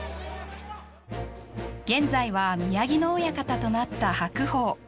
現在は宮城野親方となった白鵬